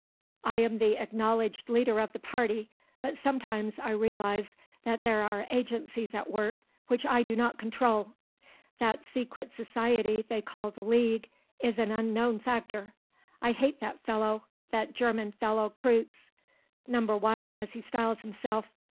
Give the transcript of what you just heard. I am the acknowledged leader of the party, but sometimes I realise that there are agencies at work, which I do not control. That secret society they call the League is an unknown factor. I hate that fellow, that German fellow, Kreutze, Number One as he styles himself.